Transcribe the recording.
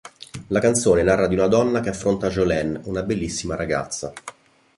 La canzone narra di una donna che affronta Jolene, una bellissima ragazza.